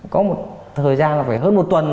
có một thời gian là phải hơn một tuần